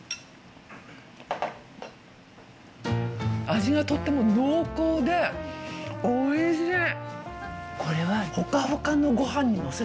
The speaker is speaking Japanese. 味がとっても濃厚でおいしい！